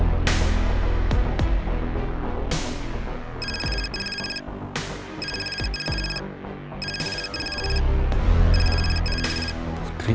ada yang seperti itu